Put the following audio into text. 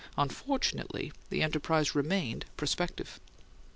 Unfortunately, the enterprise remained prospective.